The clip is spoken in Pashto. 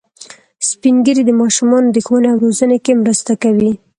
سپین ږیری د ماشومانو د ښوونې او روزنې کې مرسته کوي